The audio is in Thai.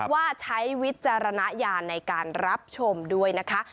ว่าใช้วิจารณญาณในการรับชมด้วยนะคะ